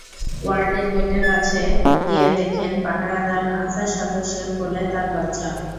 ওয়ার্ডের গেটের কাছে গিয়ে দেখেন, পাহারাদার আনসার সদস্যের কোলে তাঁর বাচ্চা।